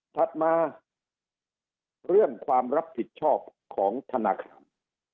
ถัดมาเรื่องความรับผิดชอบของธนาคาร